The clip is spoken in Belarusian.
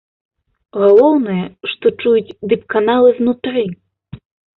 Галоўнае, што чуюць дыпканалы знутры.